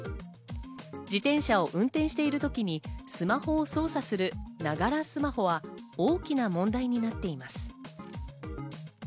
自転車を運転している時に、スマホを操作する、ながらスマホは大きな問題になっています。